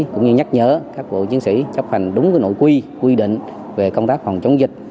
cũng như nhắc nhở các bộ chiến sĩ chấp hành đúng nội quy quy định về công tác phòng chống dịch